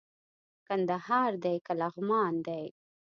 کندهار دئ که لغمان دئ